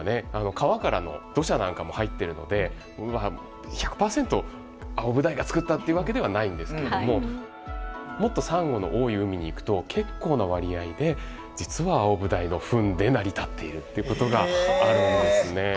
川からの土砂なんかも入っているので１００％アオブダイが作ったっていうわけではないんですけれどももっとサンゴの多い海に行くと結構な割合で実はアオブダイのフンで成り立っているっていうことがあるんですね。